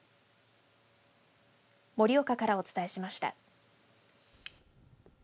盛岡からお伝えしました。